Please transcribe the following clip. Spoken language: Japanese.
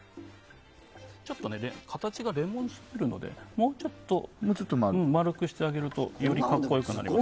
ちょっと形がレモンすぎるのでもうちょっと丸くするとより格好良くなります。